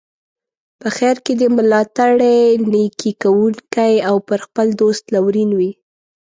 په خیر کې دي ملاتړی، نیکي کوونکی او پر خپل دوست لورین وي.